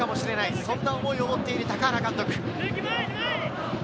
そんな思いを持っている高原監督。